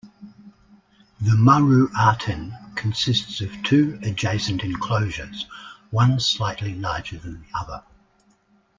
The Maru-Aten consists of two adjacent enclosures, one slightly larger than the other.